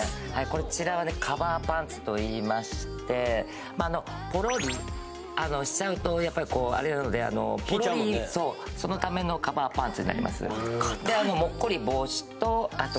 こちらはカバーパンツといいましてポロリしちゃうとやっぱりあれなので引いちゃうもんねそのためのカバーパンツになりますあっかたい！